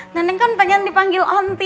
neneng kan pengen dipanggil onti